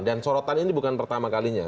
dan sorotan ini bukan pertama kalinya